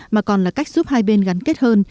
mà còn là cách giúp hai bên gắn kết hơn